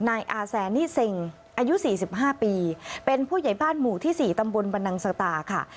นายอาแซนนี่เซ็งอายุ๔๕ปีเป็นผู้ใหญ่บ้านหมู่ที่๔ตำบลบันนังสตาค่ะ